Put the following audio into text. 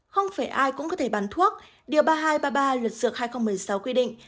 không phải ai cũng có thể bán thuốc điều ba nghìn hai trăm ba mươi ba luật dược hai nghìn một mươi sáu quy định